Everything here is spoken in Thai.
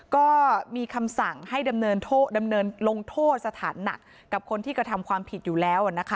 ก็มีคำสั่งให้ดำเนินลงโทษสถานหนักกับคนที่กระทำความผิดอยู่แล้วนะคะ